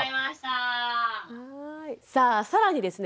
さあ更にですね